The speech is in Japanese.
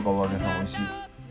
おいしい？